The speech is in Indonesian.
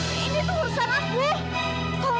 ini tuh urusan aku